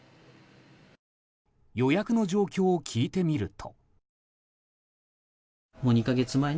予約の状況を聞いてみると。